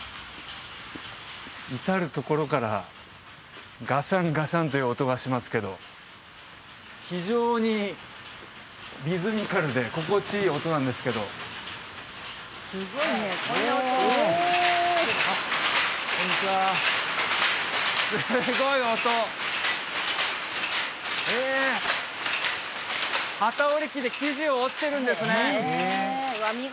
至るところからガシャンガシャンという音がしますけど非常にリズミカルで心地いい音なんですけどおおこんにちはすごい音へえ機織り機で生地を織ってるんですね